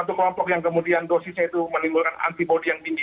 satu kelompok yang kemudian dosisnya itu menimbulkan antibody yang tinggi